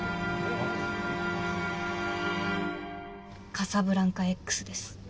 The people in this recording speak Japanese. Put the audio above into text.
カサブランカＸです。